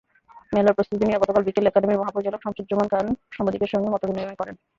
মেলার প্রস্তুতি নিয়ে গতকাল বিকেলে একাডেমির মহাপরিচালক শামসুজ্জামান খান সাংবাদিকদের সঙ্গে মতবিনিময় করেন।